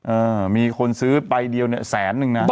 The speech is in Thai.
เออมีคนซื้อใบเดียวเนี่ยแสนนึงนะ